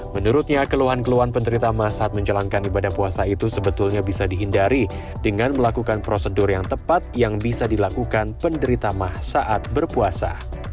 menurutnya keluhan keluhan penderita emas saat menjalankan ibadah puasa itu sebetulnya bisa dihindari dengan melakukan prosedur yang tepat yang bisa dilakukan penderita mah saat berpuasa